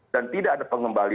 dan tidak ada pengembalian